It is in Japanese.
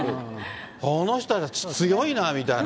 この人たち強いなみたいな。